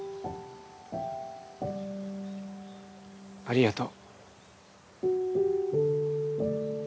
ありがとう。